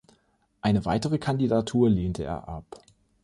Eine weitere Kandidatur lehnte er ab.